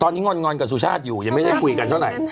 ตอนนี้งอนกับสุชาติอยู่ยังไม่ได้คุยกันเท่าไหร่